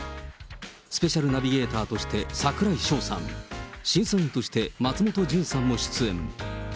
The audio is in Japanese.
スペシャルナビゲーターとして櫻井翔さん、審査員として松本潤さんも出演。